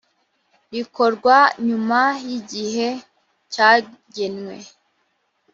rikorwa nyuma y igihe cyagenwe